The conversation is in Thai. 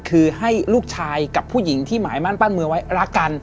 คือให้ลูกชายกับผู้หญิงที่หมายมั่นปั้นมือไว้รักกัน